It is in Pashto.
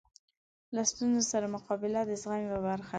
له ستونزو سره مقابله د زغم یوه برخه ده.